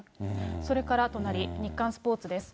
それから隣、日刊スポーツです。